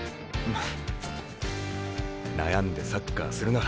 フッ悩んでサッカーするな。